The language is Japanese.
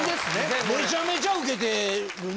めちゃくちゃウケてるね。